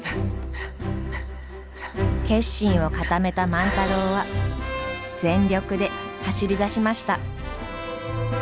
決心を固めた万太郎は全力で走りだしました。